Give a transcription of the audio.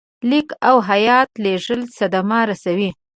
لیک او هیات لېږل صدمه رسوي.